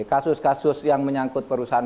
kasus kasus yang menyangkut perusahaan